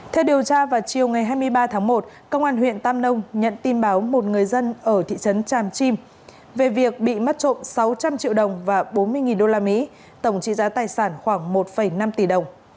theo điều tra vào chiều ngày hai mươi ba tháng một công an huyện tam nông nhận tin báo một người dân ở thị trấn tràm chim về việc bị mất trộm sáu trăm linh triệu đồng và bốn mươi usd tổng trị giá tài sản khoảng một năm tỷ đồng